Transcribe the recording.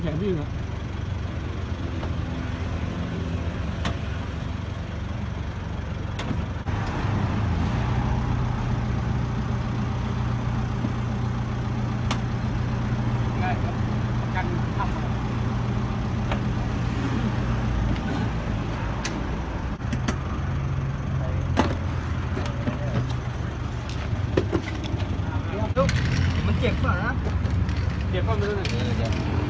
อี๊ยอยู่ใจท้องเว้ย